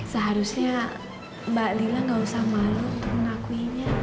seharusnya mbak lila gak usah malu untuk mengakuinya